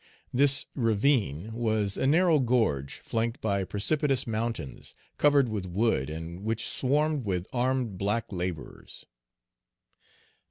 This ravine was a narrow gorge flanked by precipitous mountains, covered with wood, and which swarmed with armed black laborers.